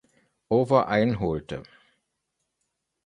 Over einholte.